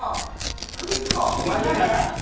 福井か。